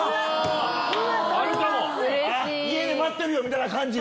「家で待ってるよ」みたいな感じ。